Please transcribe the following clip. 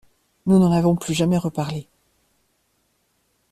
Nous n’en avons plus jamais reparlé.